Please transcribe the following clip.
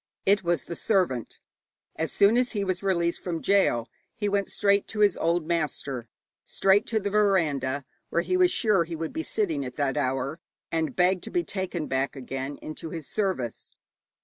It was the servant. As soon as he was released from gaol, he went straight to his old master, straight to the veranda where he was sure he would be sitting at that hour, and begged to be taken back again into his service.